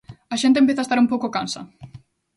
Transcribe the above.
A xente empeza a estar un pouco cansa.